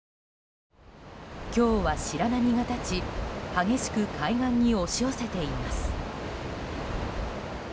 今日は白波が立ち激しく海岸に押し寄せています。